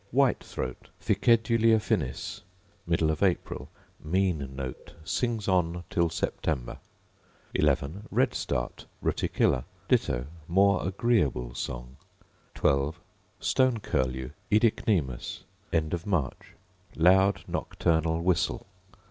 White throat, Ficedulae affinis: Middle of April: mean note; sings on till September. 11. Red start, Ruticilla: Ditto: more agreeable song. 12. Stone curlew, OEdicnemus: End of March; loud nocturnal whistle.